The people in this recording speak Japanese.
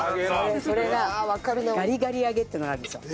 それがガリガリ揚げっていうのがあるんですよ。